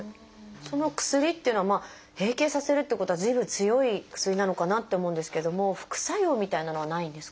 その薬っていうのは閉経させるっていうことはずいぶん強い薬なのかなって思うんですけれども副作用みたいなのはないんですか？